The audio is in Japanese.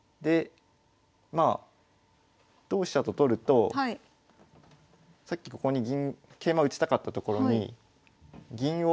まあ同飛車と取るとさっきここに銀桂馬打ちたかった所に銀を。